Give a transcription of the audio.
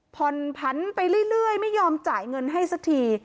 ผ่อนผันไปเรื่อยไม่ยอมจ่ายเงินให้สักที